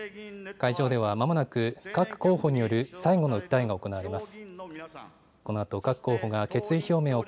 会場ではまもなく、各候補による最後の訴えが行われます。